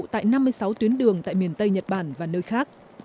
tại năm mươi sáu tuyến đường tại miền tây nhật bản và nơi khác